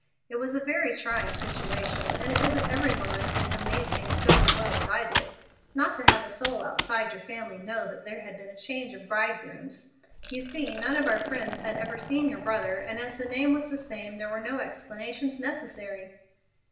It was a very trying situation, and it isn't every woman could have made things go as well as I did—not to have a soul outside your family know there had been a change of bridegrooms. You see, none of our friends had ever seen your brother, and as the name was the same there were no explanations necessary."